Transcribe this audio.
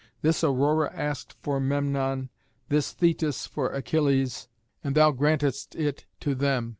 This Aurora asked for Memnon; this Thetis for Achilles, and thou grantedst it to them.